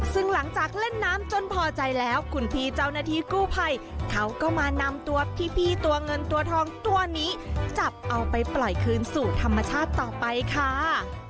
ซึ่งหลังจากเล่นน้ำจนพอใจแล้วคุณพี่เจ้าหน้าที่กู้ภัยเขาก็มานำตัวพี่ตัวเงินตัวทองตัวนี้จับเอาไปปล่อยคืนสู่ธรรมชาติต่อไปค่ะ